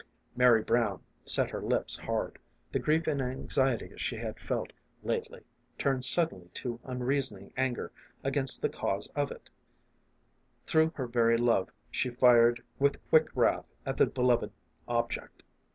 Mary Brown set her lips hard. The grief and anxiety she had felt lately turned suddenly to unreasoning anger against the cause of it ; through her very love she fired with quick wrath at the beloved object.